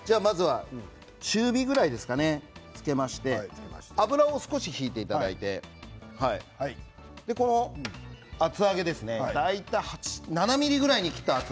中火ぐらいですかね、つけまして油を少し引いていただいて厚揚げは大体７ｍｍぐらいに切っています。